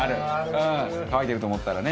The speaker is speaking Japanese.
うん乾いてると思ったらね。